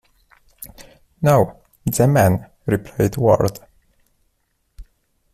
"No, "the" man", replied Ward.